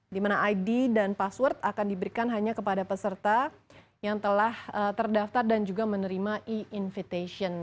di mana id dan password akan diberikan hanya kepada peserta yang telah terdaftar dan juga menerima e invitation